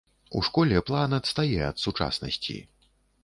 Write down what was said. У школе план адстае ад сучаснасці.